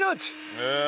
へえ！